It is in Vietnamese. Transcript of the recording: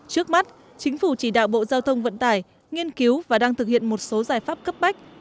trước mắt chính phủ chỉ đạo bộ giao thông vận tải nghiên cứu và đang thực hiện một số giải pháp cấp bách